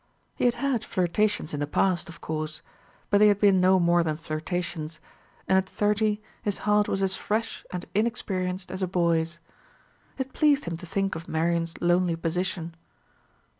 He had had flirtations in the past, of course; but they had been no more than flirtations, and at thirty his heart was as fresh and inexperienced as a boy's. It pleased him to think of Marian's lonely position.